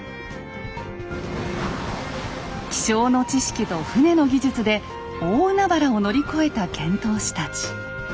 気象の知識と船の技術で大海原を乗り越えた遣唐使たち。